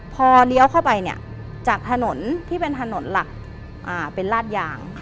พอเลี้ยวเข้าไปเนี่ยจากถนนที่เป็นถนนหลักเป็นลาดยาง